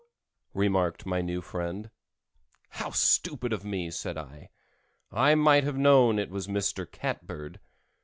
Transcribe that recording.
"Meow! meow!" remarked my new friend. "How stupid of me!" said I. "I might have known it was Mr. Catbird."